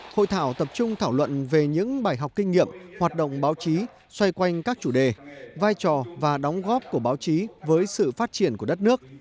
hội thảo tập trung thảo luận về những bài học kinh nghiệm hoạt động báo chí xoay quanh các chủ đề vai trò và đóng góp của báo chí với sự phát triển của đất nước